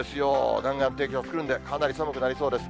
南岸低気圧来るんで、かなり寒くなるんです。